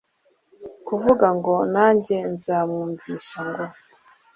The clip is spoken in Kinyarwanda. kuvuga ngo nanjye nzamwumvisha, ngo